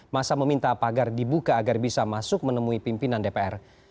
masa meminta pagar dibuka agar bisa masuk menemui pimpinan dpr